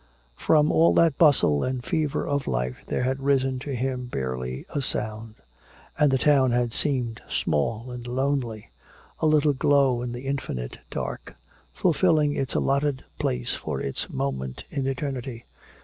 From all that bustle and fever of life there had risen to him barely a sound. And the town had seemed small and lonely, a little glow in the infinite dark, fulfilling its allotted place for its moment in eternity.